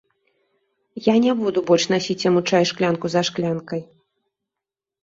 Я не буду больш насіць яму чай шклянку за шклянкай.